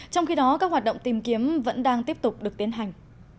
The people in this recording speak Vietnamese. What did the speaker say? trong khi đó các hoạt động tìm kiếm vẫn đang tiếp tục được tiến hành